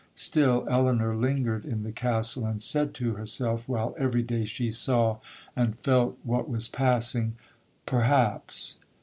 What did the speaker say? Still Elinor lingered in the Castle, and said to herself, while every day she saw and felt what was passing, 'Perhaps.'